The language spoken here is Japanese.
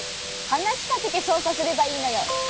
はなしかけてそうさすればいいのよ！